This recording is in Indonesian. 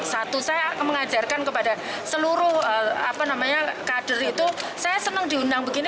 satu saya mengajarkan kepada seluruh kader itu saya senang diundang begini